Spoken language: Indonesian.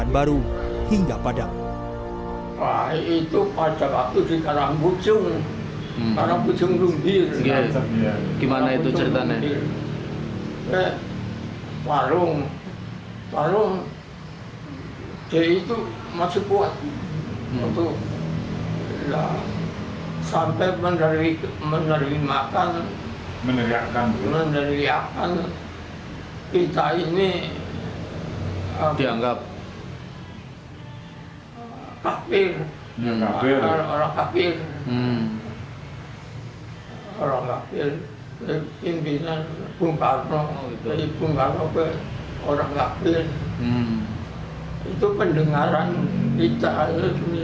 bagaimana kalau orang yang tertentu